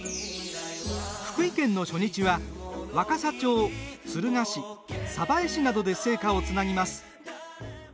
福井県の初日は若狭町敦賀市鯖江市などで聖火をつなぎます。